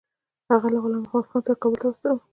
هغه له غلام محمدخان سره کابل ته واستاوه.